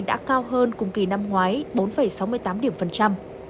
đã cao hơn cùng kỳ năm ngoái bốn sáu mươi tám điểm phần trăm